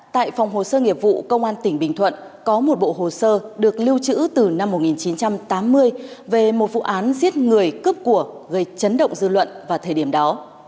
tại phòng hồ sơ nghiệp vụ công an tỉnh bình thuận có một bộ hồ sơ được lưu trữ từ năm một nghìn chín trăm tám mươi về một vụ án giết người cướp của gây chấn động dư luận vào thời điểm đó